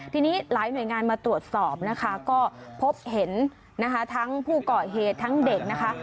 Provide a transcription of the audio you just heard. ทีนี้หลายหน่วยงานมาตรวจสอบนะคะก็พบเห็นนะคะทั้งผู้ก่อเหตุทั้งเด็กนะคะ